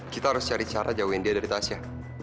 kita harus cari cara jauhin dia dari tasnya